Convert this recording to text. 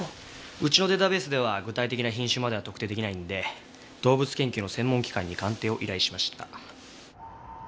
うちのデータベースでは具体的な品種までは特定できないんで動物研究の専門機関に鑑定を依頼しました。